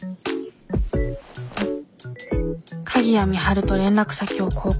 鍵谷美晴と連絡先を交換する。